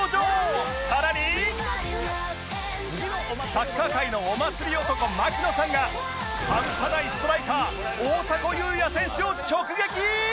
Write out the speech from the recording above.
サッカー界のお祭り男槙野さんがハンパないストライカー大迫勇也選手を直撃！